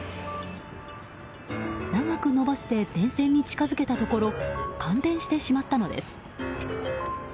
長く伸ばして電線に近づけたところ感電してしまったのです。